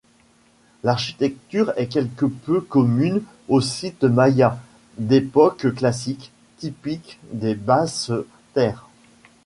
L'architecture est quelque peu commune aux sites mayas d'époque classique, typique des basses terres.